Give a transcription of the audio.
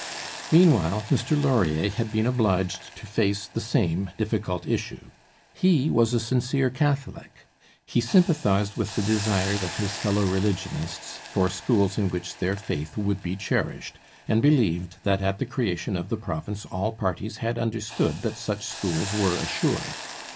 Meanwhile Mr Laurier had been obliged to face the same difficult issue. He was a sincere Catholic. He sympathized with the desire of his fellow religionists for schools in which their faith would be cherished, and believed that at the creation of the province all parties had understood that such schools were assured.